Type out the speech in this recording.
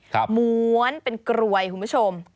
ม้วนเป็นกรวยคุณผู้ชม